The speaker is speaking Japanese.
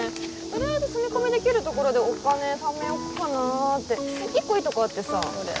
とりあえず住み込みできる所でお金ためよっかなーって１個いいとこあってさどれ？